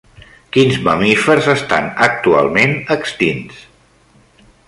Quins mamífers estan actualment extints?